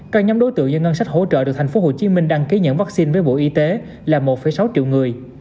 các nhóm đối tượng do ngân sách hỗ trợ được tp hcm đăng ký nhận vaccine với bộ y tế là một sáu triệu người